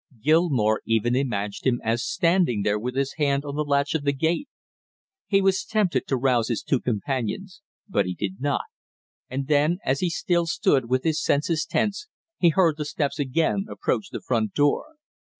Gilmore even imagined him as standing there with his hand on the latch of the gate. He was tempted to rouse his two companions, but he did not, and then, as he still stood with his senses tense, he heard the steps again approach the front door.